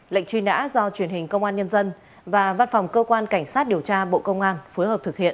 lệnh truy nã do truyền hình công an nhân dân và văn phòng cơ quan cảnh sát điều tra bộ công an phối hợp thực hiện